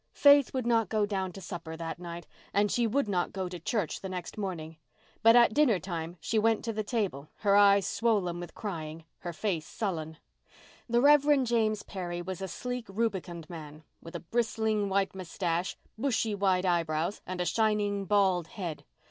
Faith would not go down to supper that night and she would not go to church the next morning. But at dinner time she went to the table, her eyes swollen with crying, her face sullen. The Rev. James Perry was a sleek, rubicund man, with a bristling white moustache, bushy white eyebrows, and a shining bald head.